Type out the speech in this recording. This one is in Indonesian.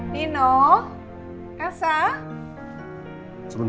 selamat tinggal nanda